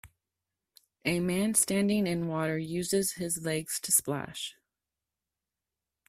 A man standing in water uses his leg to splash.